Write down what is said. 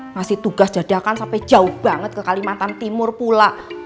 ngasih tugas dadakan sampai jauh banget ke kalimantan timur pula